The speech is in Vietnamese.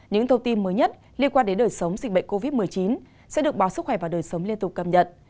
những thông tin mới nhất liên quan đến đời sống dịch bệnh covid một mươi chín sẽ được báo sức khỏe và đời sống liên tục cập nhật